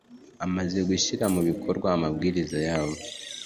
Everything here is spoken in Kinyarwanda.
amaze gushyira mu bikorwa amabwiriza yabo